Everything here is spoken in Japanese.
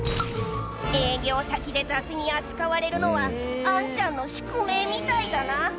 営業先で雑に扱われるのはアンちゃんの宿命みたいだな。